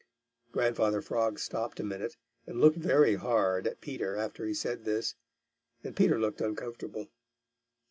Grandfather Frog stopped a minute and looked very hard at Peter after he said this, and Peter looked uncomfortable.